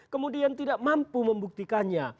kemudian tidak mampu membuktikannya